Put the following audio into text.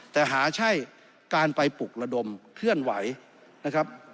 แต่หาใช่การไปปลุกระดมเคลื่อนไหวนะครับ